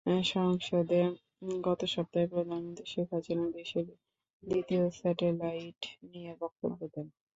সংসদে গত সপ্তাহে প্রধানমন্ত্রী শেখ হাসিনাও দেশের দ্বিতীয় স্যাটেলাইট নিয়ে বক্তব্য দেন।